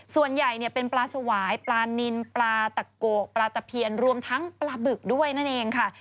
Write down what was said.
ส่วนใหญ่เป็นปลาสวายปลานินปลาตะโกปลาตะเพียนรวมทั้งปลาบึกด้วยนั่นเองค่ะ